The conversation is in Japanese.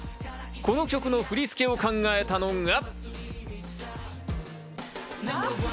この曲の振り付けを考えたのか。